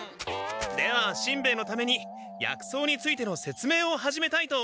ではしんべヱのために薬草についてのせつめいを始めたいと思う。